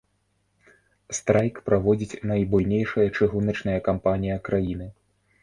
Страйк праводзіць найбуйнейшая чыгуначная кампанія краіны.